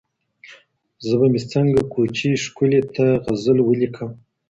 زه به مي څنګه کوچۍ ښکلي ته غزل ولیکم